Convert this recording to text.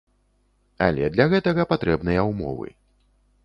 Але для гэтага патрэбныя ўмовы.